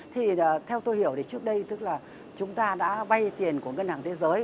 thì theo tôi hiểu thì trước đây tức là chúng ta đã vay tiền của ngân hàng thế giới